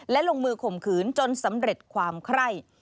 และลงมือข่มขืนจนสำเร็จความไคร่